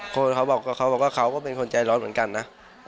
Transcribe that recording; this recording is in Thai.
คนเขาบอกว่าเขาก็เป็นคนใจร้อนเหมือนกันนะ